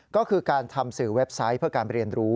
ก็คือการทำสื่อเว็บไซต์เพื่อการเรียนรู้